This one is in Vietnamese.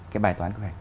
cái bài toán quy hoạch